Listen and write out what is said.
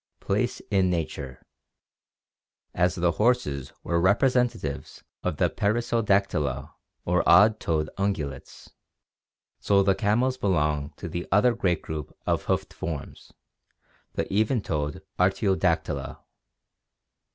Place in Nature. — As the horses were representatives of the Perissodactyla or odd toed ungulates, so the camels belong to the other great group of hoofed forms, the even toed Artiodactyla.